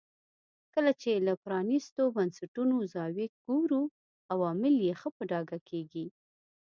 کله چې له پرانیستو بنسټونو زاویې ګورو عوامل یې ښه په ډاګه کېږي.